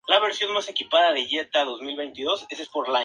Cápsula esferoidal con verrugas dorsales cilíndricas.